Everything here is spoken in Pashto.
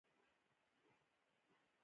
مامور د خپل صلاحیت مسؤلیت لري.